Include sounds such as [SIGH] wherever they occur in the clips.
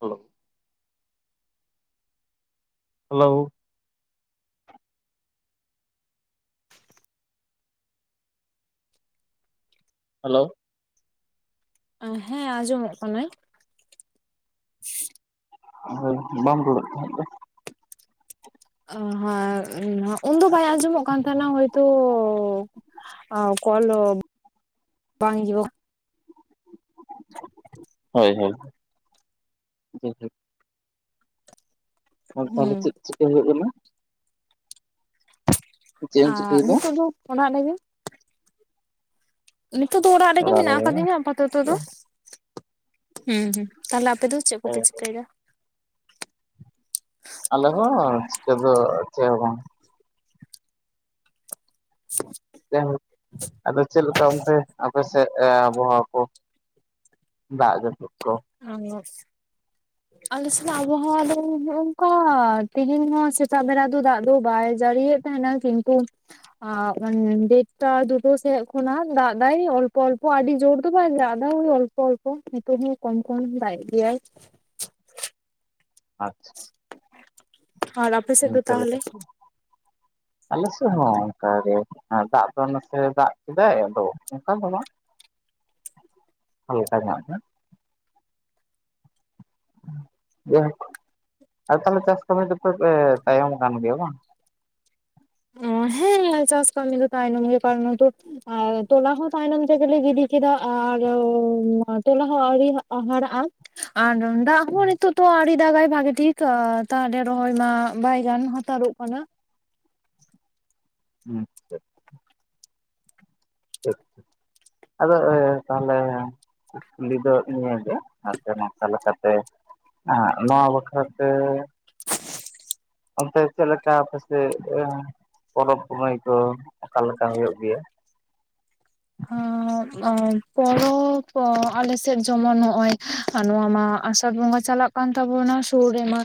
ᱦᱳᱞᱳ hello [INAUDIBLE] hello ᱮ ᱦᱮᱸ ᱟᱸᱡᱚᱢᱚᱜ ᱠᱟᱱᱟᱭ᱾ ᱦᱳᱭ ᱵᱟᱢ ᱨᱚᱲᱮᱫ ᱛᱟᱸᱦᱮᱫ ᱫᱚ? ᱳ ᱦᱟᱸ ᱩᱱᱫᱚ ᱵᱟᱭ ᱟᱸᱡᱚᱢᱚᱜ ᱠᱟᱱ ᱛᱟᱦᱮᱱᱟ ᱦᱚᱭᱛᱚ᱾ ᱟ ᱠᱚᱞᱚ ᱵᱟᱝ [UNINTELLIGIBLE] ᱦᱳᱭ ᱦᱳᱭ ᱟᱫᱚ ᱛᱟᱦᱞᱮ ᱦᱩᱸ ᱪᱮᱫ ᱪᱤᱠᱟᱹ ᱦᱩᱭᱩᱜ ᱠᱟᱱᱟ? ᱪᱮᱫ ᱮᱢ ᱟ ᱪᱤᱠᱟᱹᱭᱮᱫᱟ ᱧᱤᱛᱚᱜ ᱫᱚ ᱚᱲᱟᱜ ᱨᱮᱜᱮ᱾ ᱱᱤᱛᱚᱜ ᱫᱚ ᱚᱲᱟᱜ ᱨᱮᱜᱮ ᱢᱮᱱᱟᱜ ᱟᱠᱟᱫᱤᱧᱟ ᱟᱯᱟᱛᱚᱛᱚ ᱫᱚ᱾ ᱵᱟᱝ ᱦᱩᱸ ᱦᱩᱸ ᱛᱟᱦᱞᱮ ᱟᱯᱮ ᱫᱚ? ᱪᱮᱜ ᱠᱚᱯᱮ ᱪᱤᱠᱟᱹᱭᱫᱟ? ᱟᱞᱮ ᱦᱚᱸ ᱪᱤᱠᱟᱹ ᱫᱚ ᱪᱮᱜ ᱦᱚᱸᱵᱟᱝ᱾ [INAUDIBLE] ᱡᱟᱭᱦᱳᱠ ᱟᱫᱚ ᱪᱮᱫ ᱞᱮᱠᱟ ᱚᱱᱛᱮ ᱟᱯᱮ ᱥᱮᱫ ᱟᱵᱚᱦᱟᱣᱟ ᱠᱚ? ᱫᱟᱜ ᱡᱟᱯᱩᱫ ᱠᱚ᱾ [UNINTELLIGIBLE] ᱟᱞᱮ ᱥᱮᱱᱟᱜ ᱟᱵᱚᱦᱟᱣᱟ ᱫᱚ ᱦᱚᱜᱼᱚᱝᱠᱟ ᱛᱮᱦᱮᱧ ᱦᱚᱸ ᱥᱮᱛᱟᱜ ᱵᱮᱲᱟ ᱫᱚ ᱫᱟᱜ ᱫᱚ ᱵᱟᱭ ᱡᱟᱹᱲᱤᱭᱮᱫ ᱛᱟᱦᱮᱸᱱᱟ᱾ ᱠᱤᱱᱛᱩ ᱟᱸ ᱰᱮᱴᱴᱟ ᱫᱩᱴᱳ ᱥᱮᱫ ᱠᱷᱚᱱᱟᱜ ᱫᱟᱜ ᱫᱟᱭ ᱚᱞᱯᱚ ᱚᱞᱯᱚ ᱟᱹᱰᱤ ᱡᱳᱨ ᱫᱚ ᱵᱟᱭ ᱫᱟᱜᱫᱟ ᱚᱞᱯᱚ ᱚᱞᱯᱚ ᱱᱤᱛᱚᱜ ᱦᱚᱸ ᱠᱚᱢ ᱠᱚᱢ ᱫᱟᱜᱼᱮᱜ ᱜᱮᱭᱟᱭ᱾ ᱟᱪᱪᱷᱟ ᱟᱨ ᱟᱯᱮ ᱥᱮᱫ ᱫᱚ ᱱᱤᱝᱠᱟᱹ ᱞᱮᱠᱟ ᱛᱟᱦᱞᱮ? [INAUDIBLE] ᱟᱞᱮ ᱥᱮᱜ ᱦᱚᱸ ᱚᱝᱠᱟᱜ ᱜᱮ ᱫᱟᱜ ᱫᱚ ᱱᱟᱥᱮ ᱫᱟᱜ ᱠᱮᱫᱟᱭ ᱟᱫᱚ ᱚᱝᱠᱟ ᱫᱚ ᱵᱟᱝ᱾ ᱦᱟᱞᱠᱟ ᱧᱚᱜ ᱜᱮ᱾ ᱡᱟᱭᱦᱳᱠ ᱟᱨ ᱛᱟᱦᱞᱮ ᱪᱟᱥ ᱠᱟᱹᱢᱤ ᱫᱚᱯᱮ ᱮ ᱛᱟᱭᱚᱢ ᱠᱟᱱ ᱜᱮᱭᱟ ᱵᱟᱝ? ᱦᱮᱸ ᱪᱟᱥ ᱠᱟᱹᱢᱤ ᱠᱚ ᱛᱟᱭᱱᱚᱢ ᱜᱮ ᱠᱟᱨᱚᱱ ᱱᱤᱫᱚ ᱟᱨ ᱛᱚᱞᱟ ᱦᱚᱸ ᱛᱟᱭᱱᱚᱢ ᱛᱮᱜᱮᱞᱮ ᱜᱤᱰᱤ ᱠᱮᱫᱟ ᱟᱨ ᱛᱚᱞᱟ ᱦᱚᱸ ᱟᱣᱨᱤ ᱦᱟᱨᱟᱜᱼᱟ᱾ ᱟᱨ ᱫᱟᱜ ᱦᱚᱸ ᱱᱤᱛᱚᱜ ᱫᱚ ᱟᱹᱣᱲᱤ ᱫᱟᱜᱟᱭ ᱵᱷᱟᱜᱮ ᱴᱷᱤᱠ᱾ ᱛᱟ-ᱛᱟᱦᱞᱮ ᱨᱚᱦᱚᱭ ᱢᱟ ᱵᱟᱭ ᱜᱟᱱ ᱦᱟᱛᱟᱲᱚᱜ ᱠᱟᱱᱟ᱾ ᱦᱩᱸ [UNINTELLIGIBLE] ᱟᱫᱚ ᱮ ᱛᱟᱦᱞᱮ ᱠᱩᱠᱞᱤ ᱫᱚ ᱱᱤᱭᱟᱹᱜᱮ ᱦᱟᱱᱛᱮ ᱱᱷᱟᱛᱮ ᱞᱮᱠᱟᱛᱮ ᱦᱟᱸᱜ ᱱᱚᱣᱟ ᱵᱟᱠᱷᱨᱟ ᱛᱮ ᱚᱱᱛᱮ ᱪᱮᱫ ᱞᱮᱠᱟ ᱟᱯᱮ ᱥᱮᱫ ᱮᱸ ᱯᱚᱨᱚᱵᱽ ᱯᱩᱱᱟᱹᱭ ᱠᱚ ᱚᱠᱟ ᱞᱮᱠᱟ ᱦᱩᱭᱩᱜ ᱜᱮᱭᱟ [INAUDIBLE] ᱟᱸ ᱯᱚᱨᱚᱵᱽ ᱟᱞᱮ ᱥᱮᱫ ᱡᱚᱢᱚᱱ ᱱᱚᱜᱼᱚᱭ ᱱᱚᱣᱟ ᱢᱟ ᱟᱥᱟᱲ ᱵᱚᱸᱜᱟ ᱪᱟᱞᱟᱜ ᱠᱟᱱ ᱛᱟᱵᱚᱱᱟ ᱥᱩᱨ ᱨᱮᱢᱟ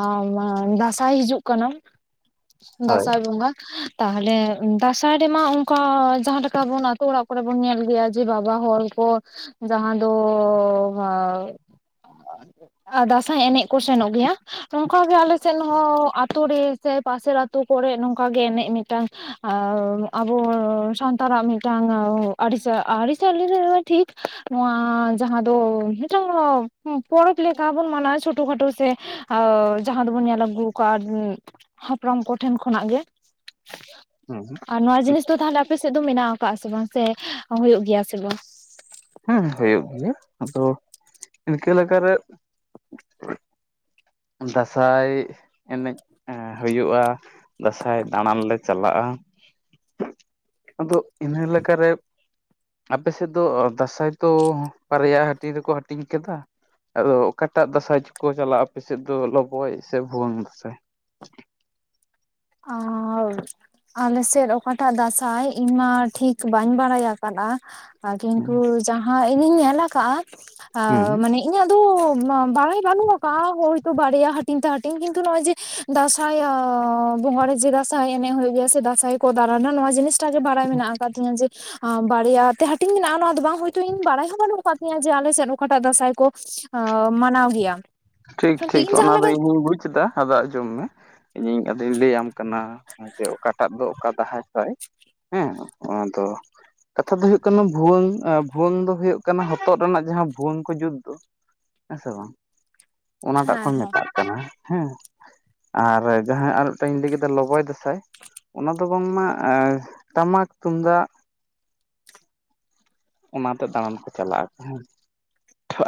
ᱟᱶᱢᱟ ᱫᱟᱸᱥᱟᱭ ᱦᱤᱡᱩᱜ ᱠᱟᱱᱟ [UNINTELLIGIBLE] ᱫᱟᱥᱟᱸᱭ ᱵᱚᱸᱜᱟ ᱛᱟᱦᱞᱮ ᱫᱟᱥᱟᱸᱭ ᱨᱮᱢᱟ ᱚᱝᱠᱟ ᱡᱟᱦᱟᱸ ᱴᱟᱠᱟ ᱵᱚᱱ ᱛᱚ ᱚᱲᱟᱜ ᱠᱚᱨᱮ ᱵᱚᱱ ᱧᱮᱞ ᱜᱮᱭᱟ ᱡᱮ ᱵᱟᱵᱟ ᱦᱚᱱ ᱠᱚ ᱡᱟᱦᱟᱸ ᱫᱚ ᱦᱟᱣ ᱫᱟᱥᱟᱸᱭ ᱮᱱᱮᱡ ᱠᱩ ᱥᱮᱱᱚᱜ ᱜᱮᱭᱟ ᱱᱚᱝᱠᱟ ᱜᱮ ᱟᱞᱮ ᱥᱮᱱ ᱦᱚᱸ ᱟᱹᱛᱳ ᱨᱮ ᱥᱮ ᱯᱟᱥᱮᱨ ᱟᱹᱛᱳ ᱠᱚᱨᱮ ᱱᱚᱝᱠᱟ ᱜᱮ ᱮᱱᱮᱡ ᱢᱤᱫᱴᱟᱝ ᱟᱣ ᱟᱵᱚ ᱥᱟᱱᱛᱟᱨᱟᱜ ᱢᱤᱫ ᱴᱟᱝ ᱣᱚᱜ ᱟᱹᱲᱤᱥ ᱟᱹᱨᱤᱪᱟᱹᱞᱤ ᱨᱮᱦᱚᱭ ᱴᱷᱤᱠ ᱱᱚᱣᱟ ᱡᱟᱦᱟᱸ ᱫᱚ ᱦᱤᱴᱟᱝ ᱯᱚᱨᱚᱵᱽ ᱞᱮᱠᱟ ᱵᱚᱱ ᱢᱟᱱᱟᱣ ᱪᱷᱚᱴᱳ ᱠᱷᱟᱴᱳ ᱥᱮᱟ ᱟᱣ ᱡᱟᱦᱟᱸ ᱫᱚᱵᱚᱱ ᱧᱮᱞ ᱟᱹᱜᱩ ᱠᱟᱫ ᱦᱟᱯᱲᱟᱢ ᱠᱚᱴᱷᱮᱱ ᱠᱷᱚᱱᱟᱜ ᱜᱮ [INAUDIBLE] ᱟᱨ ᱱᱚᱣᱟ ᱡᱤᱱᱤᱥ ᱫᱚ ᱛᱟᱦᱚᱞᱮ ᱟᱯᱮ ᱥᱮᱫ ᱫᱚ ᱢᱮᱱᱟᱣ ᱟᱠᱟᱜᱼᱟ ᱥᱮ ᱵᱟᱝ ᱥᱮ ᱦᱩᱭᱩᱜ ᱜᱮᱭᱟ ᱥᱮ ᱵᱟᱝ ᱦᱩᱸ ᱦᱩᱭᱩᱜ ᱜᱮᱭᱟ ᱟᱫᱚ ᱤᱱᱠᱟᱹ ᱞᱮᱠᱟᱨᱮ ᱫᱟᱥᱟᱸᱭ ᱮᱱᱮᱡ ᱦᱩᱭᱩᱜᱼᱟ ᱫᱟᱥᱟᱸᱭ ᱫᱟᱬᱟᱱ ᱞᱮ ᱪᱟᱞᱟᱜᱼᱟ ᱟᱫᱚ ᱤᱱᱦᱟᱹ ᱞᱮᱠᱟᱨᱮ ᱟᱯᱮ ᱥᱮᱫ ᱫᱚ ᱫᱟᱥᱟᱸᱭ ᱛᱚ ᱵᱟᱨᱭᱟ ᱦᱟᱹᱴᱤᱧ ᱨᱮᱠᱚ ᱦᱟᱹᱴᱤᱧ ᱠᱟᱫᱟ ᱟᱫᱚ ᱚᱠᱟᱴᱟᱜ ᱫᱟᱥᱟᱸᱭ ᱪᱚᱠᱚ ᱪᱟᱞᱟᱜᱼᱟ ᱟᱯᱮ ᱥᱮᱫ ᱫᱚ ᱞᱚᱵᱚᱭ ᱥᱮ ᱵᱷᱩᱣᱟᱹᱝ ᱫᱟᱥᱟᱸᱭ ᱟᱶ ᱟᱞᱮ ᱥᱮᱫ ᱚᱠᱟᱴᱟᱜ ᱫᱟᱥᱟᱸᱭ ᱤᱧᱢᱟ ᱴᱷᱤᱠ ᱵᱟᱹᱧ ᱵᱟᱲᱟᱭ ᱟᱠᱟᱫᱼᱟ ᱟᱨ ᱠᱤᱱᱛᱩ ᱦᱮᱸ ᱡᱟᱦᱟᱸ ᱤᱧᱤᱧ ᱧᱮᱞ ᱟᱠᱟᱜᱼᱟ ᱢᱟᱱᱮ ᱤᱧᱟᱹᱜ ᱫᱚ ᱵᱟᱲᱟᱭ ᱵᱟᱹᱱᱩᱜ ᱟᱠᱟᱜᱼᱟ ᱦᱳᱭᱛᱚ ᱵᱟᱨᱭᱟ ᱦᱟᱹᱴᱤᱧ ᱛᱮ ᱦᱟᱹᱴᱤᱧ ᱠᱤᱱᱛᱩ ᱱᱚᱜᱼᱚᱭ ᱡᱮ ᱫᱟᱥᱟᱸᱭ [UNINTELLIGIBLE] ᱢᱚᱬᱮ ᱡᱮ ᱫᱟᱥᱟᱸᱭ ᱮᱱᱮᱡ ᱦᱩᱭᱩᱜ ᱜᱮᱭᱟ ᱥᱮ ᱫᱟᱥᱟᱸᱭ ᱠᱚ ᱫᱟᱬᱟᱱᱟ ᱱᱚᱣᱟ ᱡᱤᱱᱤᱥ ᱴᱟᱜ ᱜᱮ ᱵᱟᱲᱟᱭ ᱢᱮᱱᱟᱜ ᱟᱠᱟᱫ ᱛᱤᱧᱟᱹ ᱡᱮ ᱟᱸ ᱵᱟᱨᱭᱟ ᱛᱮ ᱦᱟᱹᱴᱤᱧ ᱢᱮᱱᱟᱜᱼᱟ ᱱᱚᱣᱟ ᱫᱚ ᱵᱟᱝ ᱦᱳᱭᱛᱳ ᱤᱧ ᱵᱟᱲᱟᱭ ᱦᱚᱸ ᱵᱟᱹᱱᱩᱜ ᱟᱠᱟᱫ ᱛᱤᱧᱟᱹ ᱡᱮ ᱟᱞᱮ ᱥᱮᱫ ᱚᱠᱟᱴᱟᱜ ᱫᱟᱥᱟᱸᱭ ᱠᱚ ᱟᱸᱻ ᱢᱟᱱᱟᱣ ᱜᱮᱭᱟ ᱴᱷᱤᱠ ᱠᱤᱱᱛᱩ ᱴᱷᱤᱠ ᱤᱧ ᱡᱟᱦᱟᱸ ᱚᱱᱟᱫᱚ ᱞᱮᱠᱟ ᱤᱧᱦᱚᱸᱧ ᱵᱩᱡᱽ ᱮᱫᱟ ᱟᱫᱚ ᱟᱸᱡᱚᱢ ᱢᱮ ᱤᱧᱤᱧ ᱟᱫᱚ ᱞᱟᱹᱭᱟᱢ ᱠᱟᱱᱟ ᱡᱮ ᱚᱠᱟᱴᱟᱜ ᱫᱚ ᱚᱠᱟ ᱫᱟᱦᱟᱭ ᱥᱟᱭ ᱦᱮᱸ ᱚᱱᱟ ᱫᱚ ᱠᱟᱛᱷᱟ ᱫᱚ ᱦᱩᱭᱩᱜ ᱠᱟᱱ ᱱᱚᱣᱟ ᱵᱷᱩᱣᱟᱹᱝ ᱮ ᱵᱷᱩᱣᱟᱹᱝ ᱫᱚ ᱦᱩᱭᱩᱜ ᱠᱟᱱᱟ ᱦᱚᱛᱚᱜ ᱨᱮᱱᱟᱜ ᱡᱟᱦᱟᱸ ᱵᱷᱩᱣᱟᱹᱝ ᱠᱚ ᱡᱩᱫᱽ ᱫᱚ ᱦᱮᱸ ᱥᱮ ᱵᱟᱝ ᱚᱱᱟᱴᱟᱜ ᱠᱚ ᱦᱮᱸ ᱢᱮᱛᱟᱜ ᱠᱟᱱᱟ ᱦᱮᱸ ᱟᱨ ᱡᱟᱦᱟᱸ ᱟᱨ ᱢᱤᱫᱴᱟᱝ ᱤᱧ ᱞᱟᱹᱭ ᱠᱮᱫᱟ ᱞᱚᱵᱚᱭ ᱫᱟᱥᱟᱸᱭ ᱚᱱᱟ ᱫᱚ ᱵᱟᱝᱢᱟ ᱮ ᱴᱟᱢᱟᱠ ᱛᱩᱢᱫᱟᱜ ᱚᱱᱟᱛᱮ ᱫᱟᱬᱟᱱ ᱠᱚ ᱪᱟᱞᱟᱜᱼᱟ ᱦᱮᱸ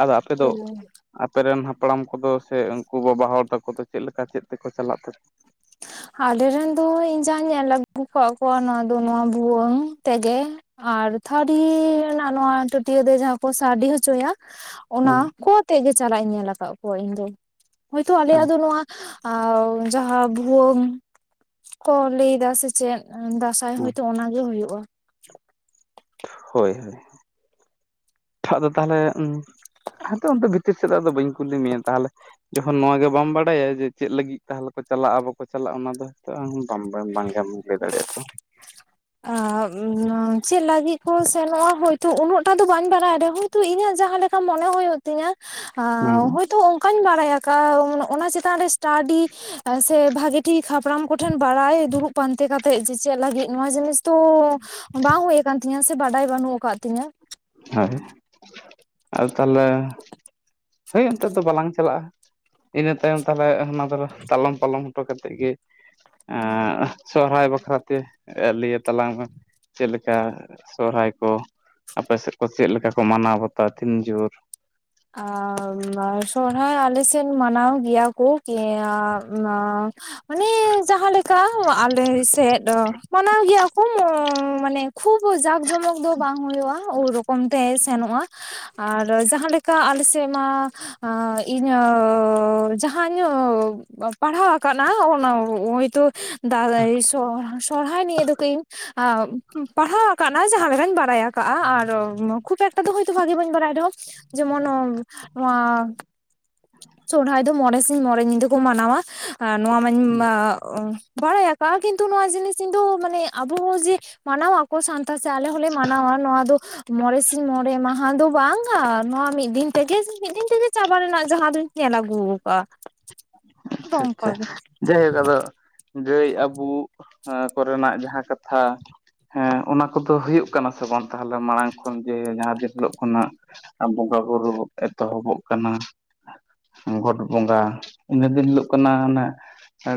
ᱟᱫᱚ ᱟᱯᱮ ᱫᱚ ᱦᱮᱸ ᱟᱯᱮ ᱨᱮᱱ ᱦᱟᱯᱲᱟᱢ ᱠᱚᱫᱚ ᱥᱮ ᱩᱱᱠᱩ ᱵᱟᱵᱟ ᱦᱚᱲ ᱛᱟᱠᱚ ᱫᱚ ᱪᱮᱫ ᱞᱮᱠᱟ ᱪᱮᱫ ᱛᱮᱠᱚ ᱪᱟᱞᱟᱜ ᱛᱟᱦᱮᱸᱜ ᱟᱞᱮ ᱨᱮᱱ ᱫᱚ ᱤᱧ ᱡᱟᱦᱟᱸᱭ ᱧᱮᱞ ᱟᱹᱜᱩ ᱟᱠᱟᱫ ᱠᱚᱣᱟ ᱱᱚᱣᱟ ᱫᱚ ᱱᱚᱣᱟ ᱵᱷᱩᱣᱟᱹᱝ ᱛᱮᱜᱮ ᱟᱨ ᱛᱷᱟᱹᱨᱤ ᱨᱮᱱᱟᱜ ᱱᱚᱣᱟ ᱴᱟᱹᱴᱭᱟᱹ ᱛᱮ ᱡᱟᱦᱟᱸ ᱠᱚ ᱥᱟᱰᱮ ᱦᱚᱪᱚᱭᱟ ᱚᱱᱟ ᱠᱚ ᱟᱛᱮ ᱜᱮ ᱪᱟᱞᱟᱜ ᱤᱧ ᱧᱮᱞ ᱟᱠᱟᱫ ᱠᱚᱣᱟ ᱤᱧ ᱫᱚ ᱦᱳᱭᱛᱚ ᱟᱞᱮ ᱛᱟᱠᱚ ᱭᱟᱜ ᱫᱚ ᱱᱚᱣᱟ ᱟᱣ ᱡᱟᱦᱟᱸ ᱵᱷᱩᱣᱟᱹᱝ ᱠᱚ ᱞᱟᱹᱭ ᱮᱫᱟ ᱥᱮ ᱪᱮᱫ ᱟᱸ ᱫᱟᱥ ᱥᱟᱸᱭ ᱦᱳᱭ ᱦᱳᱭᱛᱚ ᱚᱱᱟ ᱜᱮ ᱦᱩᱭᱩᱜᱼᱟ᱾ ᱦᱳᱭ ᱦᱳᱭ ᱟᱫᱚ ᱛᱟᱦᱚᱞᱮ ᱦᱮᱸᱛᱚ ᱚᱱᱛᱮ ᱵᱷᱤᱛᱤᱨ ᱥᱮᱫᱟᱜ ᱫᱚ ᱵᱟᱹᱧ ᱠᱩᱞᱤ ᱢᱮᱭᱟ ᱛᱟᱦᱚᱞᱮ ᱡᱚᱠᱷᱚᱱ ᱱᱚᱣᱟ ᱜᱮ ᱵᱟᱢ ᱵᱟᱲᱟᱭᱟ ᱡᱮ ᱪᱮᱫ ᱞᱟᱹᱜᱤᱫ ᱛᱟᱦᱚᱞᱮ ᱠᱚ ᱪᱟᱞᱟᱜᱼᱟ ᱵᱟᱠᱚ ᱪᱟᱞᱟᱜᱼᱟ ᱚᱱᱟ ᱫᱚ ᱦᱚᱸᱛᱚ ᱟᱢ ᱵᱟᱝ ᱵᱟᱝ ᱜᱮᱢ ᱞᱟᱹᱭ ᱫᱟᱲᱮᱭᱟᱜᱼᱟ ᱛᱚ [UNINTELLIGIBLE] ᱪᱮᱫ ᱞᱟᱹᱜᱤᱫ ᱠᱚ ᱥᱮᱱᱚᱜᱼᱟ ᱦᱳᱭᱛᱚ ᱩᱱᱟᱹᱜ ᱴᱟ ᱫᱚ ᱵᱟᱹᱧ ᱵᱟᱲᱟᱭ ᱨᱮᱦᱚᱸ ᱛᱚ ᱤᱧᱟᱹᱜ ᱡᱟᱦᱟᱸ ᱞᱮᱠᱟ ᱢᱚᱱᱮ ᱦᱩᱭᱩᱜ ᱛᱤᱧᱟᱹ ᱦᱩᱸ ᱦᱚᱳᱭᱛᱚ ᱚᱸᱠᱟᱧ ᱵᱟᱲᱟᱭ ᱟᱠᱟᱫᱼᱟ, ᱚᱱᱟ ᱪᱮᱛᱟᱱ ᱨᱮ ᱮᱥᱴᱟᱰᱤ ᱟᱨ ᱥᱮ ᱵᱷᱟᱹᱜᱤ ᱴᱷᱤᱠ ᱦᱟᱯᱲᱟᱢ ᱠᱚᱴᱷᱮᱱ ᱵᱟᱲᱟᱭ ᱫᱩᱲᱩᱵ ᱯᱟᱱᱛᱮ ᱠᱟᱛᱮᱜ, ᱡᱮ ᱪᱮᱫ ᱞᱟᱹᱜᱤᱫ ᱱᱚᱣᱟ ᱡᱤᱱᱤᱥ ᱛᱚ ᱵᱟᱝ ᱦᱩᱭ ᱟᱠᱟᱱ ᱛᱤᱧᱟᱹ ᱥᱮ ᱵᱟᱰᱟᱭ ᱵᱟᱹᱱᱩᱜ ᱟᱠᱟᱫ ᱛᱤᱧᱟᱹ ᱦᱳᱭ! ᱟᱫᱚ ᱛᱟᱦᱮᱞᱮ, ᱦᱳᱭ ᱚᱸᱛᱮ ᱫᱚ ᱵᱟᱞᱟᱝ ᱪᱟᱞᱟᱜᱼᱟ᱾ ᱤᱱᱟᱹ ᱛᱟᱭᱚᱢ ᱛᱟᱦᱚᱞᱮ ᱦᱟᱱᱟ ᱫᱚᱨᱚ ᱛᱟᱞᱚᱢ ᱯᱟᱞᱚᱢ ᱦᱚᱴᱚ ᱠᱟᱛᱮ ᱜᱮ ᱟᱸ ᱥᱚᱦᱨᱟᱭ ᱵᱟᱠᱷᱨᱟ ᱛᱮ ᱮ ᱞᱟᱹᱭᱟᱹ ᱛᱟᱞᱟᱝ ᱢᱮ, ᱪᱮᱫ ᱞᱮᱠᱟ ᱥᱚᱦᱨᱟᱭ ᱠᱚ ᱟᱯᱮ ᱥᱮᱫ ᱠᱚ ᱪᱮᱫ ᱞᱮᱠᱟ ᱠᱚ ᱢᱟᱱᱟᱣ ᱵᱟᱛᱟᱣᱟ ᱛᱤᱱ ᱡᱩᱨ? ᱟᱻᱢ ᱥᱚᱦᱨᱟᱭ ᱟᱞᱮ ᱥᱮᱫ ᱢᱟᱱᱟᱣ ᱜᱮᱭᱟ ᱠᱚ ᱠᱤ ᱟᱸ ᱢᱟ, ᱚᱱᱮᱸ ᱡᱟᱸᱦᱟᱸ ᱞᱮᱠᱟᱶ ᱟᱞᱮ ᱥᱮᱫ ᱢᱟᱱᱟᱣ ᱜᱮᱭᱟ ᱠᱚ ᱢᱚᱝ ᱢᱟᱱᱮ ᱠᱷᱩᱵ ᱡᱟᱠ ᱡᱚᱢᱚᱠ ᱫᱚ ᱵᱟᱝ ᱦᱳᱭᱳᱜᱼᱟ, ᱩ ᱨᱚᱠᱚᱢ ᱛᱮ ᱦᱮᱜ ᱥᱮ ᱱᱚᱜᱼᱟ ᱟᱨ ᱡᱟᱦᱟᱸ ᱞᱮᱠ ᱠᱟ ᱟᱞᱮ ᱥᱮᱫ ᱢᱟ ᱦᱟᱸ ᱤᱧᱟᱹᱜ ᱡᱟᱦᱟᱸ ᱧᱳᱜ ᱵᱟᱭ ᱯᱟᱲᱦᱟᱣ ᱟᱠᱟᱱᱟ ᱚᱱᱟ ᱦᱚᱭ ᱛᱚ ᱫᱟᱫᱟ ᱥᱚᱻᱥᱚᱦᱲᱟᱭ ᱱᱤᱭᱮ ᱫᱚ ᱠᱟᱹᱡ ᱤᱧ ᱟ ᱯᱟᱲᱦᱟᱣ ᱟᱠᱟᱱᱟᱭ ᱡᱟᱦᱟᱸ ᱞᱮᱠᱟᱧ ᱵᱟᱰᱟᱭ ᱟᱠᱟᱜᱼᱟ, ᱟᱨᱚᱢ ᱠᱷᱩᱵ ᱮᱠ ᱛᱚ ᱫᱚ ᱦᱳᱭᱛᱳ ᱵᱷᱟᱹᱜᱤ ᱵᱟᱹᱧ ᱵᱟᱰᱟᱭ ᱨᱮᱦᱚᱸ ᱡᱮᱢᱚᱱ ᱚᱱ ᱱᱚᱣᱟ [INAUDIBLE] ᱥᱚᱲᱦᱟᱭ ᱫᱚ ᱢᱚᱬᱮ ᱥᱤᱧ ᱢᱚᱬᱮ ᱧᱤᱫᱟᱹ ᱠᱚ ᱢᱟᱱᱟᱣᱟ ᱟᱨ ᱱᱚᱣᱟ ᱢᱟᱹᱧ ᱟᱸᱻᱳᱸ ᱵᱟᱲᱟᱭ ᱟᱠᱟᱜᱼᱟ, ᱠᱤᱸᱛᱩ ᱱᱚᱣᱟ ᱡᱤᱱᱤᱥ ᱤᱧ ᱫᱚ ᱢᱟᱱᱮ ᱟᱵᱚ ᱡᱮ ᱢᱟᱱᱟᱣᱟ- ᱠᱚ ᱥᱟᱱᱛᱟᱲ ᱥᱮ ᱟᱞᱮ ᱦᱚᱸᱞᱮ ᱢᱟᱱᱟᱣᱟ ᱱᱚᱣᱟ ᱫᱚ ᱢᱚᱨᱮ ᱥᱤᱧ ᱢᱚᱬᱮ ᱢᱟᱦᱟ ᱫᱚ ᱵᱟᱝ ᱟ, ᱱᱚᱣᱟ ᱢᱤᱫ ᱫᱤᱱ ᱛᱮᱜᱮᱧ ᱢᱤᱫ ᱫᱤᱱ ᱛᱮᱜᱮ ᱪᱟᱵᱟ ᱨᱮᱱᱟᱜ ᱡᱟᱦᱟᱸ ᱫᱩᱧ ᱧᱮᱞ ᱟᱹᱜᱩ ᱠᱟᱜ ᱟ᱾ ᱟᱪᱪᱷᱟ ᱟᱪᱪᱷᱟ ᱡᱟᱭ ᱦᱩᱠ ᱟᱫᱚ ᱜᱟᱹᱭ ᱟᱹᱵᱩᱜ ᱦᱚᱸ ᱠᱚᱨᱮᱱᱟᱜ ᱡᱟᱦᱟᱸ ᱠᱟᱛᱷᱟ ᱦᱮᱸ ᱚᱱᱟ ᱠᱚᱫᱚ ᱦᱩᱭᱩᱜ ᱠᱟᱱᱟ ᱥᱮ ᱵᱟᱝ ᱛᱟᱦᱚᱞᱚ ᱢᱟᱲᱟᱝ ᱠᱷᱚᱱ ᱡᱮ ᱡᱟᱦᱟᱸ ᱫᱤᱨ ᱦᱤᱞᱳᱜ ᱠᱷᱚᱱᱟᱜ? ᱟᱨ ᱵᱚᱸᱜᱟ ᱵᱩᱨᱩ ᱵᱚ ᱮᱛᱚᱦᱚᱵᱚᱜ ᱠᱟᱱᱟ ᱜᱚᱴ ᱵᱚᱸᱜᱟ ᱤᱱᱟᱹ ᱫᱤᱱ ᱦᱤᱞᱳ- ᱠᱚᱱᱟ ᱦᱚᱱᱟᱜ᱾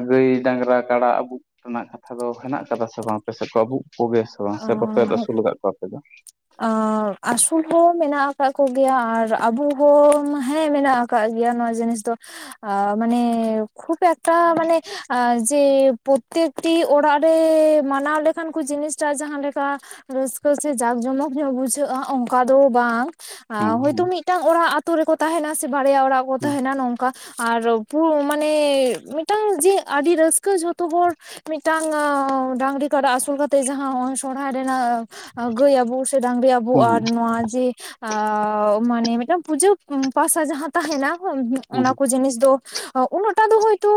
ᱜᱟᱹᱭ ᱰᱟᱝᱜᱽᱨᱟ ᱠᱟᱰᱟ ᱟᱹᱵᱩᱜ ᱨᱮᱱᱟᱜ ᱠᱟᱛᱷᱟ ᱫᱚ ᱦᱮᱱᱟᱜ ᱟᱠᱟᱫᱟ ᱥᱮ ᱵᱟᱝ ᱟᱯᱮ ᱥᱮᱫ ᱠᱚ ᱟᱹᱵᱩᱜ ᱠᱚ ᱜᱮᱭᱟ ᱥᱮ- ᱠᱚ ᱥᱮ ᱵᱟᱯᱮᱫ ᱟᱹᱥᱩᱞ ᱟᱠᱟᱫ ᱠᱚᱣᱟ ᱟᱯᱮ ᱫᱚ? ᱟᱸ ᱟᱹᱥᱩᱞ ᱦᱚᱲ ᱢᱮᱱᱟᱜ ᱟᱠᱟᱫ ᱠᱚᱜᱮᱭᱟ ᱟᱨ ᱟᱹᱵᱩ ᱦᱚᱲᱻᱢᱟ ᱦᱮᱸ ᱢᱮᱱᱟᱜ ᱟᱠ ᱠᱟᱜ ᱜᱮᱭᱟ ᱱᱚᱣᱟ ᱡᱤᱱᱤᱥ ᱫᱚ ᱟᱻᱢᱟᱱᱮ, ᱠᱷᱩᱵ ᱮᱠᱴᱟ ᱢᱟᱱᱮ ᱟᱻᱡᱮ ᱯᱳᱛᱭᱮᱠ ᱴᱤ ᱚᱲᱟᱜ ᱨᱮᱻ ᱢᱟᱱᱟᱣ ᱞᱮᱠᱷᱟᱱ ᱠᱚ ᱡᱤᱱᱤᱥ ᱪᱟᱭ ᱡᱟᱦᱟᱸ ᱞᱮᱠᱟ ᱨᱟᱹᱥᱠᱟᱹ ᱥᱮ ᱡᱟᱠ ᱡᱚᱢᱚᱠ ᱧᱚᱜ ᱵᱩᱡᱷᱟᱹᱜᱼᱟ ᱚᱸᱠᱟ ᱫᱚ ᱵᱟᱝ, ᱦᱮᱸ ᱟᱸ ᱦᱮᱸ ᱦᱳᱭᱛᱳ ᱢᱤᱫᱴᱟᱝ ᱚᱲᱟᱜ ᱟᱛᱳ ᱨᱮᱠᱚ ᱛᱟᱦᱮᱸᱱᱟ ᱥᱮ ᱵᱷᱟᱲᱭᱟ ᱚᱲᱟᱜ ᱨᱮᱠᱚ ᱦᱮᱸ ᱛᱟᱦᱮᱸᱱᱟ ᱱᱚᱝᱠᱟ ᱟᱨ ᱯᱩᱜ ᱢᱟᱱᱮ ᱢᱮᱫᱴᱟᱝ ᱡᱮ ᱟᱹᱰᱤ ᱨᱟᱹᱥᱠᱟᱹ ᱡᱚᱛᱚ ᱦᱚᱲ ᱢᱤᱫᱴᱟᱝ ᱰᱟᱝᱜᱽᱨᱤ ᱠᱟᱰᱟ ᱟᱹᱥᱩᱞ ᱠᱟᱛᱮ ᱡᱟᱸᱦ [UNINTELLIGIBLE] ᱥᱚᱲᱦᱟᱭ ᱨᱮᱱᱟᱜ ᱜᱟᱹᱭ ᱟᱹᱵᱩᱜ ᱥᱮ ᱰᱟᱺᱝᱜᱽᱨᱤ ᱟᱹᱵᱩᱜ ᱟᱨ ᱱᱚᱣᱟ ᱡᱮ ᱟᱻᱣ ᱢᱟᱱᱮ ᱢᱮᱫᱴᱟᱝ ᱯᱩᱡᱟᱹ ᱯᱟᱥᱟ ᱡᱟᱦᱮᱸᱱᱟ ᱩᱝᱦᱩᱜ ᱦᱮᱸ ᱚᱱᱟ ᱟᱪᱪᱷᱟ ᱠᱚ ᱡᱤᱱᱤᱥ ᱫᱚ ᱩᱱᱟᱹᱜ ᱴᱟ ᱫᱚ ᱦᱳᱭᱛᱚᱻᱻ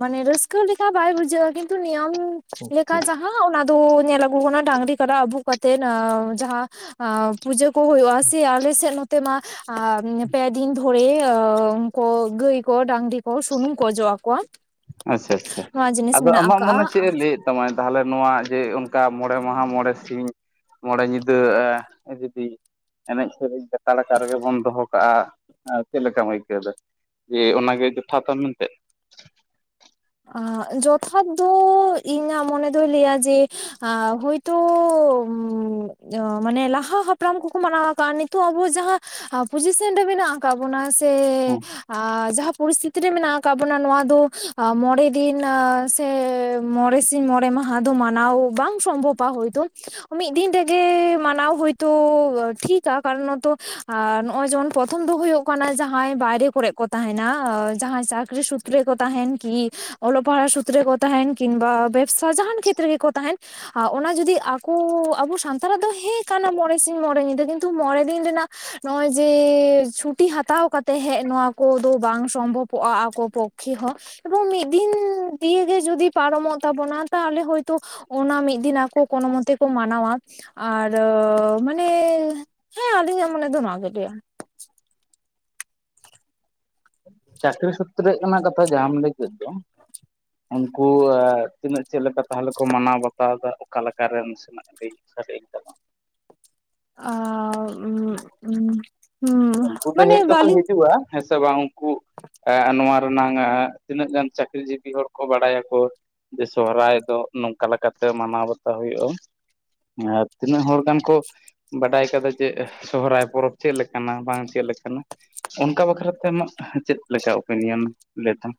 ᱢᱟᱱᱮ ᱨᱟᱹᱥᱠᱟᱹ ᱞᱮᱠᱟ ᱵᱟᱭ ᱵᱩᱡᱷᱟᱹᱜᱼᱟ ᱠᱤᱸᱛᱩ ᱱᱤᱭᱟᱢ ᱟᱪᱪᱷᱟ ᱞᱮᱠᱟ ᱡᱟᱦᱟᱸ ᱚᱱᱟᱫ- ᱛᱚ ᱧᱮᱞ ᱟᱹᱜᱩ ᱟᱠᱟᱱᱟ ᱰᱟᱺᱜᱽᱨᱤ ᱠᱟᱰᱟ ᱟᱹᱵᱩᱜ ᱠᱟᱛᱮᱱ ᱡᱟᱦᱟᱸ ᱟᱸ ᱯᱩᱡᱟᱹᱠ ᱠᱚ ᱦᱳᱭᱳᱜᱼᱟ ᱥᱮ, ᱟᱞᱮᱥᱮᱫ ᱱᱚᱛᱮ ᱢᱟ ᱟ ᱯᱮ ᱫᱤᱱ ᱫᱷᱩ- ᱠᱚᱲᱮ ᱚᱻᱩᱱᱠᱳ ᱜᱟᱹᱭ ᱠᱚ ᱰᱟᱺᱜᱽᱨᱤ ᱠᱚ ᱥᱩᱱᱩᱢ ᱠᱚ ᱚᱡᱚᱜ ᱟᱠᱚᱣᱟ᱾ ᱟᱪᱪᱷᱟ ᱟᱪᱪᱷᱟ ᱱᱚᱣᱟ ᱡᱤᱱᱤᱥ ᱟᱫᱚ ᱢᱮᱱᱟᱜ ᱟᱢᱟᱜ ᱢᱚᱱᱮ ᱟᱠᱟᱜᱼᱟ ᱪᱮᱫ ᱮ ᱞᱟᱹᱭᱮᱫ- ᱛᱟᱢᱟᱭ ᱛᱟᱦᱚᱞᱮ ᱱᱚᱣᱟ ᱡᱮ ᱚᱱᱠᱟ ᱢᱚᱬᱮ ᱢᱟᱦᱟ ᱢᱚᱬᱮ ᱥᱤᱧ ᱢᱚᱬᱮ ᱧᱤᱫᱟᱹ ᱼᱟ [UNINTELLIGIBLE] ᱮᱱᱮᱡ ᱥᱮᱨᱮᱧ ᱞᱮᱛᱟᱲ ᱟᱠᱟ ᱨᱮᱜᱮ ᱵᱚᱱ ᱫᱚᱦᱚ ᱠᱟᱜᱼᱟ, ᱟᱨ ᱪᱮᱫ ᱞᱮᱠᱟᱢ ᱟᱹᱭᱠᱟᱹᱣ ᱮᱫᱟ? ᱡᱮ ᱚᱱᱟ ᱜᱮ ᱡᱚᱛᱷᱟᱛᱼᱟ ᱢᱮᱱᱛᱮ? ᱟ ᱡᱚᱛᱷᱟᱛ ᱫᱚᱻ ᱤᱧᱟᱹᱜ ᱢᱚᱱᱮ ᱫᱚᱭ ᱞᱟᱹᱭᱟ ᱡᱮ ᱟᱻᱦᱚᱭ- [INAUDIBLE] ᱩᱸᱻ ᱢᱟᱱᱮ ᱞᱟᱦᱟ ᱦᱟᱯᱲᱟᱢ ᱠᱚᱠᱚ ᱢᱟᱱᱟᱣ ᱟᱠᱟᱜᱼᱟ, ᱱᱤᱛᱚᱜ ᱟᱵᱚ ᱡᱟᱦᱟᱸ ᱯᱚᱡᱤᱥᱮᱱ ᱨᱮ ᱢᱮᱱᱟᱜᱼᱟ, ᱠᱟᱜ ᱵᱚᱱᱟ ᱥᱮ ᱟᱻ ᱡᱟᱦᱟᱸ ᱯᱚᱨᱤᱥᱛᱷᱤᱛᱤ ᱨᱮ ᱢᱮᱱᱟᱜ ᱟᱠᱟᱫ ᱵᱚᱱᱟ ᱱᱚᱣᱟ ᱫᱚ ᱟ ᱢᱚᱬᱮ ᱫᱤᱱ ᱥᱮ ᱢᱚᱬᱮ ᱥᱤᱧ ᱢᱚᱬᱮ ᱢᱟᱦᱟ ᱫᱚ ᱢᱟᱱᱟᱣ ᱵᱟᱝ ᱥᱚᱢᱵᱷᱚᱵ ᱟ ᱦᱚᱭᱛᱚ ᱢᱤᱫ ᱫᱤᱱ ᱛᱮᱜᱮ ᱢᱟᱱᱟᱣ ᱦᱳᱭᱛᱳ ᱴᱷᱤᱠᱟ ᱠᱟᱨᱚᱱ ᱛᱚ ᱱᱚᱜᱼᱚᱭ ᱡᱮᱢᱚᱱ ᱯᱨᱚᱛᱷᱚᱢ ᱫᱚ ᱦᱳᱭᱳᱜ ᱠᱟᱱᱟ ᱡᱟᱦᱟᱸᱭ ᱵᱟᱭᱨᱮ ᱠᱚᱨᱮᱫ ᱠᱚ ᱛᱟᱦᱮᱱᱟ ᱡᱟᱦᱟᱸᱭ ᱪᱟᱠᱨᱤ ᱥᱩᱛᱨᱮ ᱠᱚ ᱛᱟᱦᱮᱱ ᱠᱤ ᱚᱞᱚᱜ ᱯᱟᱲᱦᱟᱜ ᱥᱩᱛᱨᱚ ᱠᱚ ᱛᱟᱦᱮᱱ ᱠᱤᱱᱵᱟ ᱵᱮᱵᱥᱟ ᱡᱟᱦᱟᱱ ᱠᱷᱮᱛᱨᱮ ᱜᱮᱠᱚ ᱛᱟᱦᱮᱱ ᱟ ᱚᱱᱟ ᱡᱩᱫᱤ ᱟᱠᱚ ᱟᱵᱚ ᱥᱟᱱᱛᱟᱲᱟᱜ ᱫᱚ ᱦᱮᱸ ᱠᱟᱱᱟ ᱢᱚᱬᱮ ᱥᱤᱧ ᱢᱚᱬᱮ ᱧᱤᱫᱟᱹ ᱠᱤᱱᱛᱩ ᱢᱚᱬᱮ ᱫᱤᱱ ᱨᱮᱱᱟᱜ ᱱᱚᱜᱼᱚᱭ ᱡᱮ ᱪᱷᱩᱴᱤ ᱦᱟᱛᱟᱣ ᱠᱟᱛᱮ ᱦᱮᱜ ᱱᱚᱣᱟ ᱠᱚᱫᱚ ᱵᱟᱝ ᱥᱚᱢᱵᱷᱚᱵᱚᱜᱼᱟ ᱟᱠᱚ ᱯᱚᱠ ᱠᱷᱮ ᱦᱚᱸ ᱮᱵᱚᱝ ᱢᱤᱫ ᱫᱤᱱ ᱫᱤᱭᱮ ᱜᱮ ᱡᱩᱫᱤ ᱯᱟᱨᱚᱢᱚᱜ ᱛᱟᱵᱚᱱᱟ ᱛᱟᱦᱚᱞᱮ ᱦᱳᱭᱛᱚ ᱚᱱᱟ ᱢᱤᱫ ᱫᱤᱱ ᱟᱠᱚ ᱠᱳᱱᱳ ᱢᱚᱛᱚᱠᱚ ᱢᱟᱱᱟᱣᱟ ᱟᱨ ᱢᱟᱱᱮ ᱦᱮᱸ ᱟᱹᱞᱤᱧᱟᱜ ᱢᱚᱱᱮ ᱫᱚ ᱱᱚᱣᱟ ᱜᱮ ᱞᱟᱹᱭᱟ ᱪᱟᱹᱠᱨᱤ ᱥᱩᱛᱨᱮ ᱚᱱᱟ ᱠᱟᱛᱷᱟ ᱡᱟᱦᱟᱸᱢ ᱞᱟᱹᱭ ᱠᱮᱫ ᱫᱚ ᱩᱱᱠᱩ ᱛᱤᱱᱟᱹᱜ ᱪᱮᱫ ᱞᱮᱠᱟ ᱛᱟᱦᱚᱞᱮ ᱠᱚ ᱢᱟᱱᱟᱣ ᱵᱟᱛᱟᱣ ᱫᱟ ᱚᱠᱟ ᱞᱮᱠᱟ ᱨᱮᱱ [UNINTELLIGIBLE] ᱟᱻ ᱩᱜ ᱩ ᱩᱝᱠᱩ ᱠᱚ ᱦᱮᱡ ᱫᱚᱠᱚ ᱦᱤᱡᱩᱜᱼᱟ ᱦᱮᱸ ᱥᱮ ᱵᱟᱝ ᱩᱝᱠᱩ ᱮᱜ ᱱᱚᱣᱟ ᱨᱮᱱᱟᱝ ᱛᱤᱱᱟᱹᱜ ᱜᱟᱱ ᱪᱟᱹᱠᱨᱤ ᱡᱤᱵᱤ ᱦᱚᱲ ᱠᱚ ᱵᱟᱲᱟᱭᱟ ᱠᱚ ᱡᱮ ᱥᱚᱦᱨᱟᱭ ᱫᱚ ᱱᱚᱝᱠᱟ ᱞᱮᱠᱟᱛᱮ ᱢᱟᱱᱟᱣ ᱵᱟᱛᱟᱣ ᱦᱩᱭᱩᱜᱼᱟ ᱟᱨ ᱛᱤᱱᱟᱹᱜ ᱦᱚᱲ ᱜᱟᱱ ᱠᱚ ᱵᱟᱰᱟᱭ ᱠᱟᱫᱟ ᱡᱮ ᱥᱚᱦᱨᱟᱭ ᱯᱚᱨᱚᱵᱽ ᱪᱮᱫ ᱞᱮᱠᱟᱱᱟ ᱵᱟᱝ ᱪᱮᱫ ᱞᱮᱠᱟᱱᱟ ᱚᱱᱠᱟ ᱵᱟᱠᱷᱨᱟᱛᱮ ᱟᱢᱟᱜ ᱪᱮᱫ ᱞᱮᱠᱟ ᱚᱯᱮᱱᱤᱭᱟᱱ ᱞᱟᱹᱭ ᱛᱟᱢ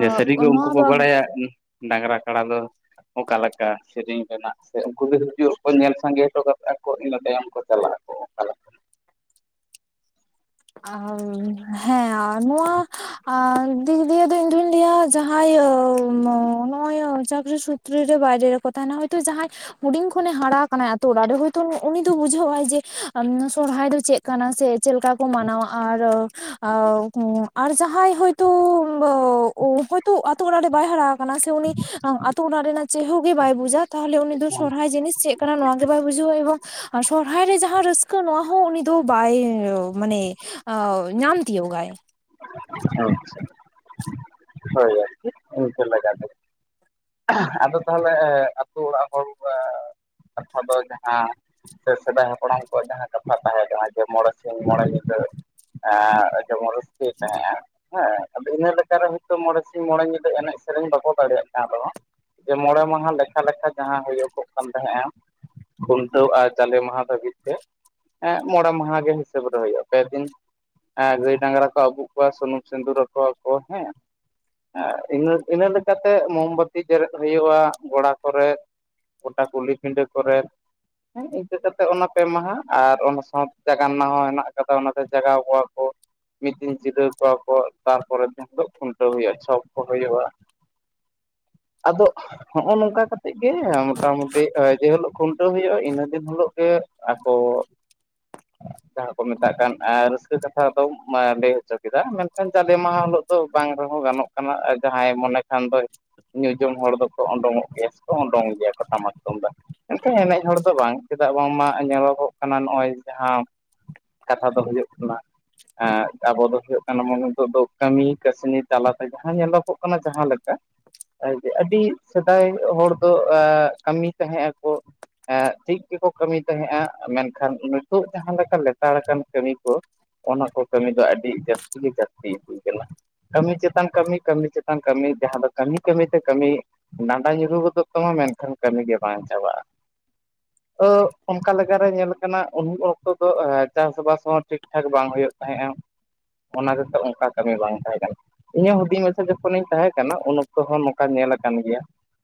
ᱡᱮ ᱥᱟᱹᱨᱤᱜᱮ ᱩᱱᱠᱩ ᱱᱚᱣᱟ ᱠᱚ ᱵᱟ ᱵᱟᱲᱟᱭᱟ ᱰᱟᱝᱨᱟ ᱠᱟᱲᱟ ᱫᱚ ᱚᱠᱟ ᱞᱮᱠᱟ ᱥᱮᱨᱮᱧ ᱨᱮᱱᱟᱜ ᱥᱮ ᱩᱱᱠᱩ ᱜᱮ ᱦᱤᱡᱩᱜ ᱠᱚ ᱧᱮᱞ ᱥᱟᱸᱜᱮ ᱦᱚᱴᱚ ᱠᱟᱜᱼᱟ ᱠᱚ ᱤᱱᱟᱹ ᱛᱟᱭᱚᱢ ᱠᱚ ᱪᱟᱞᱟᱜ ᱟᱠᱚ ᱞᱮᱠᱟ ᱦᱮᱸ ᱱᱚᱣᱟ ᱫᱤᱠ ᱫᱤᱭᱮ ᱫᱚ ᱤᱧ ᱫᱩᱧ ᱞᱟᱹᱭᱟ ᱡᱟᱦᱟᱸᱭ ᱱᱚ ᱱᱚᱜᱚᱭ ᱪᱟᱹᱠᱨᱤ ᱥᱩᱛ ᱛᱨᱮ ᱨᱮ ᱵᱟᱭᱨᱮ ᱨᱮᱠᱚ ᱛᱟᱦᱮᱱᱟ ᱦᱳᱭᱛᱚ ᱡᱟᱦᱟᱸᱭ ᱦᱩᱰᱤᱧ ᱠᱷᱚᱱᱮ ᱦᱟᱲᱟ ᱟᱠᱟᱱᱟᱭ ᱟᱛᱳ ᱚᱲᱟᱜ ᱨᱮ ᱦᱳᱭᱛᱚ ᱩᱱᱤ ᱫᱚ ᱵᱩᱡᱷᱟᱹᱣᱟᱭ ᱡᱮ ᱥᱚᱨᱦᱟᱭ ᱫᱚ ᱪᱮᱫ ᱠᱟᱱᱟ ᱥᱮ ᱪᱮᱫᱞᱮᱠᱟ ᱠᱚ ᱢᱟᱱᱟᱣᱟ ᱟᱨ ᱟ ᱟᱨ ᱡᱟᱦᱟᱸᱭ ᱦᱳᱭᱛᱚ ᱚ ᱦᱚᱭᱛᱚ ᱟᱛᱳ ᱚᱲᱟᱜ ᱨᱮ ᱵᱟᱭ ᱦᱟᱨᱟ ᱠᱟᱱᱟ ᱥᱮ ᱩᱱᱤ ᱟᱛᱳ ᱚᱲᱟᱜ ᱨᱮᱱᱟᱜ ᱪᱮᱫ ᱦᱚᱸ ᱜᱮ ᱵᱟᱭ ᱵᱩᱡᱟ ᱛᱟᱦᱚᱞᱮ ᱩᱱᱤ ᱫᱚ ᱥᱚᱨᱦᱟᱭ ᱡᱤᱱᱤᱥ ᱪᱮᱫ ᱠᱟᱱᱟ ᱱᱚᱣᱟ ᱜᱮ ᱵᱟᱭ ᱵᱩᱡᱷᱟᱹᱣᱟ ᱮᱵᱚᱝ ᱥᱚᱨᱦᱟᱭ ᱨᱮ ᱡᱟᱦᱟᱸ ᱨᱟᱹᱥᱠᱟᱹ ᱱᱚᱣᱟ ᱦᱚᱸ ᱩᱱᱤ ᱫᱚ ᱵᱟᱭ ᱢᱟᱱᱮ ᱮ ᱧᱟᱢ ᱛᱤᱭᱳᱜᱟᱭ ᱟᱪᱪᱷᱟ ᱦᱳᱭ ᱟᱨᱠᱤ ᱤᱱᱠᱟᱹ ᱞᱮᱠᱟ ᱜᱮ ᱟᱦ ᱟᱫᱚ ᱛᱟᱦᱚᱞᱮ ᱟᱹᱛᱩ ᱚᱲᱟᱜ ᱦᱚᱲ ᱠᱟᱛᱷᱟ ᱫᱚ ᱡᱟᱦᱟᱸ ᱥᱮ ᱥᱮᱫᱟᱭ ᱦᱟᱯᱲᱟᱢ ᱠᱚᱣᱟᱜ ᱡᱟᱦᱟᱸ ᱠᱟᱛᱷᱟ ᱛᱟᱦᱮᱸ ᱠᱟᱱᱟ ᱡᱮ ᱢᱚᱬᱮ ᱥᱤᱧ ᱢᱚᱬᱮ ᱧᱤᱫᱟᱹ ᱮᱫ ᱡᱮᱢᱚᱱ ᱨᱟᱹᱥᱠᱟᱹᱭ ᱛᱟᱦᱮᱸᱫ ᱟ ᱦᱮᱸ ᱟᱫᱚ ᱤᱱᱟᱹ ᱞᱮᱠᱟ ᱨᱮ ᱫᱚ ᱢᱚᱬᱮ ᱥᱤᱧ ᱢᱚᱬᱮ ᱧᱤᱫᱟᱹ ᱮᱱᱮᱡ ᱥᱮᱨᱮᱧ ᱵᱟᱠᱚ ᱫᱟᱲᱮᱭᱟᱜ ᱠᱟᱱ ᱨᱮᱦᱚᱸ ᱡᱮ ᱢᱚᱬᱮ ᱢᱟᱦᱟ ᱞᱮᱠᱷᱟ ᱞᱮᱠᱷᱟ ᱡᱟᱦᱟᱸ ᱦᱩᱭᱩᱜᱚᱜ ᱠᱟᱱ ᱛᱟᱦᱮᱸᱡᱼᱟ ᱠᱷᱩᱱᱴᱟᱹᱣ ᱟᱨ ᱡᱟᱞᱮ ᱢᱟᱦᱟ ᱫᱷᱟᱹᱵᱤᱡ ᱛᱮ ᱮᱜ ᱢᱚᱬᱮ ᱢᱟᱦᱟ ᱜᱮ ᱦᱤᱥᱟᱹᱵ ᱨᱮ ᱦᱩᱭᱩᱜᱼᱟ ᱯᱮ ᱫᱤᱱ ᱮ ᱜᱟᱹᱭ ᱰᱟᱝᱜᱨᱟ ᱠᱚ ᱟᱹᱵᱩᱜ ᱠᱚᱣᱟ ᱥᱩᱱᱩᱢ ᱥᱤᱸᱫᱩᱨ ᱟᱠᱚᱣᱟ ᱠᱚ ᱦᱮᱸ ᱮ ᱤᱱᱟᱹ ᱤᱱᱟᱹ ᱞᱮᱠᱟᱛᱮ ᱢᱳᱢᱵᱟᱛᱤ ᱡᱮᱨᱮᱫ ᱦᱩᱭᱩᱜᱼᱟ ᱜᱚᱲᱟ ᱠᱚᱨᱮᱫ ᱜᱚᱴᱟ ᱠᱩᱞᱤ ᱯᱤᱸᱰᱟ. ᱠᱚᱨᱮᱫ ᱦᱮᱸ ᱤᱱᱠᱟᱹ ᱠᱟᱛᱮ ᱚᱱᱟ ᱯᱮ ᱢᱟᱦᱟ ᱟᱨ ᱚᱱᱟ ᱥᱟᱶᱛᱮ ᱡᱟᱜᱟᱱᱱᱟ ᱦᱚᱸ ᱦᱮᱱᱟᱜ ᱠᱟᱫᱟ ᱚᱱᱟᱛᱮ ᱡᱟᱜᱟᱣ ᱠᱚᱣᱟ ᱠᱚ ᱢᱤᱫ ᱫᱤᱱ ᱡᱤᱨᱟᱹᱣ ᱠᱚᱣᱟ ᱠᱚ ᱛᱟᱨᱯᱚᱨᱮ ᱫᱤᱱ ᱦᱤᱞᱳᱜ ᱠᱷᱩᱱᱴᱟᱹᱣ ᱦᱩᱭᱩᱜᱼᱟ ᱪᱷᱚᱯ ᱠᱚ ᱦᱳᱭᱳᱜᱼᱟ ᱟᱫᱚ ᱦᱚᱜᱼᱚ ᱱᱚᱝᱠᱟ ᱠᱟᱛᱮᱜ ᱜᱮ ᱢᱚᱴᱟᱢᱩᱴᱤ ᱡᱮᱦᱤᱞᱳᱜ ᱠᱷᱩᱱᱴᱟᱹᱣ ᱦᱩᱭᱩᱜᱼᱟ ᱤᱱᱟᱹ ᱫᱤᱱ ᱦᱤᱞᱳᱜ ᱜᱮ ᱟᱠᱚ [INAUDIBLE] ᱡᱟᱦᱟᱸ ᱠᱚ ᱢᱮᱛᱟᱜ ᱠᱟᱱ ᱨᱟᱹᱥᱠᱟᱹ ᱠᱟᱛᱷᱟ ᱫᱚ ᱞᱟᱹᱭ ᱦᱚᱪᱚ ᱠᱮᱫᱟ ᱢᱮᱱᱠᱷᱟᱱ ᱡᱟᱞᱮ ᱢᱟᱦᱟ ᱦᱤᱞᱳᱜ ᱫᱚ ᱵᱟᱝ ᱨᱮᱦᱚᱸ ᱜᱟᱱᱚᱜ ᱠᱟᱱᱟ ᱟᱨ ᱡᱟᱦᱟᱸᱭ ᱢᱚᱱᱮ ᱠᱷᱟᱱ ᱫᱚᱭ ᱧᱩᱡᱚᱢ ᱦᱚᱲ ᱫᱚᱠᱚ ᱚᱰᱚᱝᱚᱜ ᱜᱮᱭᱟ ᱥᱮᱠᱚ ᱳᱰᱳᱝ ᱜᱮᱭᱟ ᱠᱚ ᱴᱟᱢᱟᱠ ᱛᱩᱢᱫᱟᱜ ᱮᱱᱛᱮ ᱮᱱᱮᱡ ᱦᱚᱲ ᱫᱚ ᱵᱟᱝ ᱪᱮᱫᱟᱜ ᱵᱟᱝᱢᱟ ᱧᱮᱞᱚᱜᱚᱜ ᱠᱟᱱᱟ ᱱᱚᱜᱼᱚᱭ ᱡᱟᱦᱟᱸ ᱠᱟᱛᱷᱟ ᱫᱚ ᱦᱩᱭᱩᱜ ᱠᱟᱱᱟ ᱮᱫ ᱟᱵᱚ ᱫᱚ ᱦᱳᱭᱳᱜ ᱠᱟᱱᱟ ᱵᱚᱱ ᱱᱤᱛᱚᱜ ᱫᱚ ᱠᱟᱹᱢᱤ ᱠᱟᱹᱥᱱᱤ ᱛᱟᱞᱟᱛᱮ ᱡᱟᱦᱟᱸ ᱧᱮᱞᱚᱜᱚᱜ ᱠᱟᱱᱟ ᱡᱟᱦᱟᱸ ᱞᱮᱠᱟ-ᱼ ᱟᱨ ᱟᱹᱰᱤ ᱥᱮᱫᱟᱭ ᱦᱚᱲ ᱫᱚ ᱠᱟᱹᱢᱤ ᱛᱟᱦᱮᱸᱜ ᱭᱟᱠᱚ ᱴᱷᱤᱠ ᱜᱮᱠᱚ ᱠᱟᱹᱢᱤ ᱛᱟᱦᱮᱸ ᱭᱟ ᱢᱮᱱᱠᱷᱟᱱ ᱱᱤᱛᱚᱜ ᱡᱟᱦᱟᱸ ᱞᱮᱠᱟ ᱞᱮᱛᱟᱲ ᱟᱠᱟᱱ ᱠᱟᱹᱢᱤ ᱠᱚ ᱚᱱᱟ ᱠᱚ ᱠᱟᱹᱢᱤ ᱫᱚ ᱟᱹᱰᱤ ᱡᱟᱹᱥᱛᱤ ᱜᱮ ᱡᱟᱹᱥᱛᱤ ᱦᱩᱭ ᱟᱠᱟᱱᱟ ᱠᱟᱹᱢᱤ ᱪᱮᱛᱟᱱ ᱠᱟᱹᱢᱤ ᱠᱟᱹᱢᱤ ᱪᱮᱛᱟᱱ ᱠᱟᱹᱢᱤ ᱡᱟᱦᱟᱸ ᱫᱚ ᱠᱟᱹᱢᱤ ᱠᱟᱹᱢᱤᱛᱮ ᱠᱟᱹᱢᱤ ᱰᱟᱸᱰᱟ ᱧᱩᱨᱩ ᱜᱚᱫᱚᱜ ᱛᱟᱢᱟ ᱢᱮᱱᱠᱷᱟᱱ ᱠᱟᱹᱢᱤ ᱜᱮ ᱵᱟᱝ ᱪᱟᱵᱟᱜᱼᱟ ᱚᱼ ᱚᱱᱠᱟ ᱞᱮᱠᱟᱨᱮ ᱧᱮᱞ ᱠᱟᱱᱟ ᱩᱱ ᱚᱠᱛᱚ ᱫᱚ ᱪᱟᱥᱵᱟᱥ ᱦᱚᱸ ᱴᱷᱤᱠ ᱴᱷᱟᱠ ᱵᱟᱝ ᱦᱩᱭᱩᱜ ᱛᱟᱦᱮᱸᱫᱼᱟ ᱚᱱᱟ ᱜᱮᱛᱚ ᱚᱱᱠᱟ ᱠᱟᱹᱢᱤ ᱵᱟᱝ ᱛᱟᱦᱮᱸᱫ ᱤᱧᱟᱹᱜ ᱦᱩᱰᱤᱝ ᱢᱮᱥᱟ ᱡᱚᱠᱷᱚᱱᱤᱧ ᱛᱟᱦᱮᱸ ᱠᱟᱱᱟ ᱩᱱ ᱚᱠᱛᱚ ᱦᱚᱸ ᱱᱚᱝᱠᱟ ᱧᱮᱞ ᱟᱠᱟᱱ ᱜᱮᱭᱟ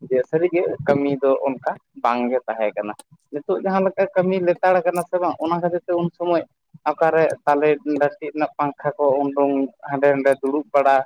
ᱡᱮ ᱥᱟᱹᱨᱤᱜᱮ ᱠᱟᱹᱢᱤ ᱫᱚ ᱚᱱᱠᱟ ᱵᱟᱝᱜᱮ ᱛᱟᱦᱮᱸ ᱠᱟᱱᱟ ᱱᱤᱛᱚᱜ ᱡᱟᱦᱟᱸ ᱞᱮᱠᱟ ᱠᱟᱹᱢᱤ ᱞᱮᱛᱟᱲ ᱠᱟᱱᱟ ᱥᱮ ᱵᱟᱝ ᱚᱱᱟ ᱠᱷᱟᱹᱛᱤᱨ ᱛᱮ ᱩᱱ ᱥᱚᱢᱚᱭ ᱚᱠᱟᱨᱮ ᱛᱟᱞᱮ ᱰᱟᱸᱱᱴᱤᱜ ᱨᱮᱱᱟᱜ ᱯᱟᱝᱠᱷᱟ ᱠᱚ ᱩᱰᱩᱝ ᱦᱟᱸᱰᱮ ᱱᱟᱰᱮ ᱫᱩᱲᱩᱵ ᱵᱟᱲᱟ